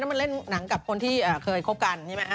ก็มันเล่นหนังกับคนที่เคยคบกัน